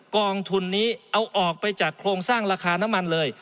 กองทุนนี้เอาออกไปจากโครงสร้างราคาน้ำมันเลย